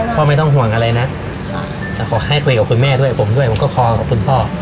ไม่ต้องห่วงอะไรนะแต่ขอให้คุยกับคุณแม่ด้วยผมด้วยผมก็ขอขอบคุณพ่อ